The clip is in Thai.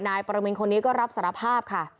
ปรมินคนนี้ก็รับสารภาพค่ะ